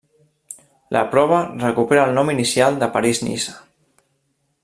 La prova recupera el nom inicial de París-Niça.